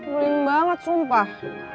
maling banget sumpah